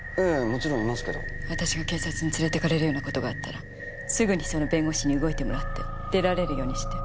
私が警察に連れていかれるような事があったらすぐにその弁護士に動いてもらって出られるようにして。